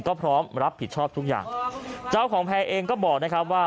ก็พร้อมรับผิดชอบทุกอย่างเจ้าของแพร่เองก็บอกนะครับว่า